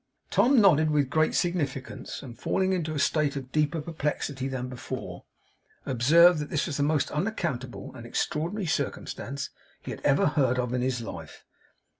Tom nodded with great significance, and, falling into a state of deeper perplexity than before, observed that this was the most unaccountable and extraordinary circumstance he had ever heard of in his life.